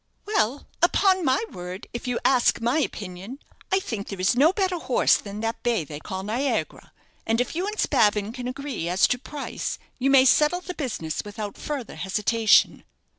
"Well, upon my word, if you ask my opinion, I think there is no better horse than that bay they call 'Niagara;' and if you and Spavin can agree as to price, you may settle the business without further hesitation."